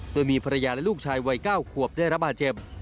โดยมีภรรยาและลูกชายวัย๙ขวบได้รับบาดเจ็บ